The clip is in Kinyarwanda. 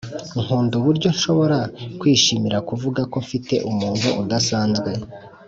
nkunda uburyo nshobora kwishimira kuvuga ko mfite umuntu udasanzwe